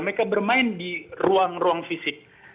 mereka bermain di ruang ruang fisik